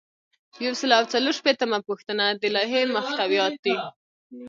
یو سل او څلور شپیتمه پوښتنه د لایحې محتویات دي.